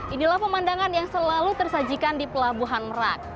inilah pemandangan yang selalu tersajikan di pelabuhan merak